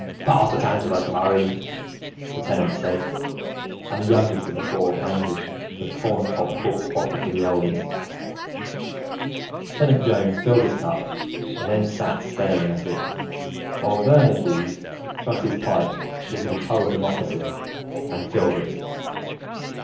"Pass the tantalus, Murray," the Tenant said, and the youngest of the four handed the corncob corked bottle to the eldest. Tenant Jones filled his cup and then sat staring at it, while Verner Hughes thrust his pipe into the toe of the moccasin and filled it.